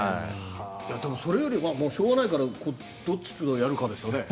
それよりしょうがないからどっちとやるかですね。